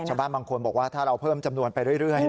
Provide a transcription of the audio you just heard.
ชาวบ้านบางคนบอกว่าถ้าเราเพิ่มจำนวนไปเรื่อย